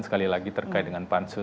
sekali lagi terkait dengan pansus